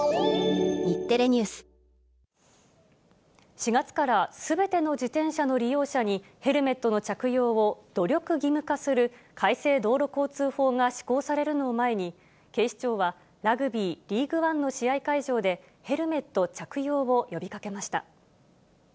４月からすべての自転車の利用者にヘルメットの着用を努力義務化する、改正道路交通法が施行されるのを前に、警視庁は、ラグビーリーグワンの試合会場で、ヘルメット着用を呼びかけました。